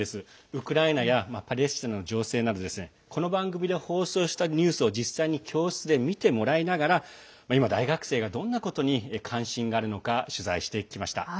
ウクライナやパレスチナの情勢などこの番組で放送したニュースを実際に教室で見てもらいながら今、大学生がどんなことに関心があるのか取材してきました。